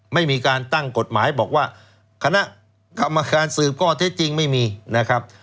ไม่มีการตั้งกฎหมายบอกว่าคณะกรรมการสืบข้อเท็จจริงไม่มีนะครับ